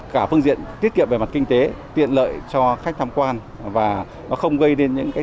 cả phương diện tiết kiệm về mặt kinh tế tiện lợi cho khách tham quan và nó không gây nên những cái